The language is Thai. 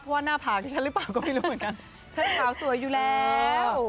เพราะว่าน่าผ่านเท่าไหร่ปัวก็ไม่รู้เหมือนกันเท่ากรัมสวยอยู่แล้ว